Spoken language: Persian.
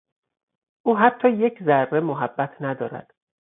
او حتی یک ذره محبت ندارد.